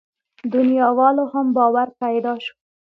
دنياوالو هم باور پيدا شو.